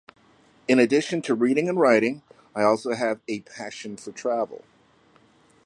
In addition to reading and writing, I also have a passion for travel.